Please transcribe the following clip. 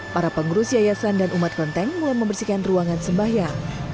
para pengurus yayasan dan umat klenteng mulai membersihkan ruangan sembahyang